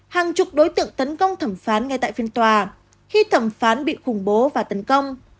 hàng chục đối tượng tấn công thẩm phán ngay tại phiên tòa khi thẩm phán bị khủng bố và tấn công